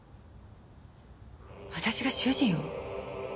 私が主人を？